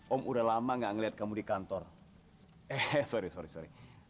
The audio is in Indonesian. om udah lama gak ngeliat kamu di kantor eh sorry sorry sorry